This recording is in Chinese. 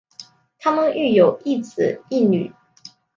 她们育有一子一女。